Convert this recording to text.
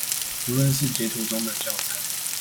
無論是截圖中的教材